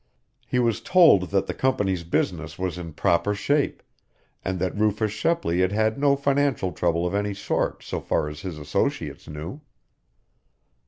He was told that the company's business was in proper shape, and that Rufus Shepley had had no financial trouble of any sort so far as his associates knew.